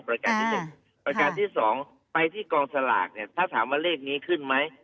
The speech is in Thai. การที่๑ประการที่๒ไปที่กองสลากเนี่ยถ้าถามว่าเลขนี้ขึ้นไหม